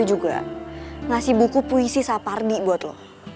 saya juga ngasih buku puisi sapardi buat lo